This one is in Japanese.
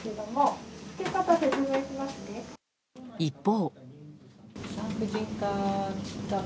一方。